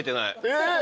えっ！